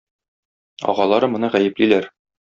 Агалары моны гаеплиләр